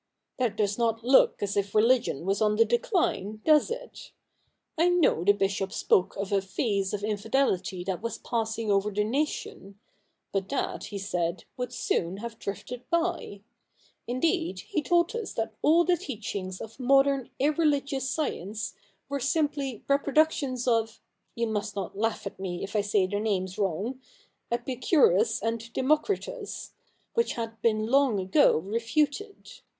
That does not look as if religion was on the decline, does it ? I know the Bishop spoke of a phase of infidelity that was passing over the nation : but that, he said, would soon have drifted by. Indeed, he told us that all the teachings of modern irreligious science were simply reproductions of — you must not laugh at me if I say the names wrong — Epicurus and Democritus — which had been long ago refuted.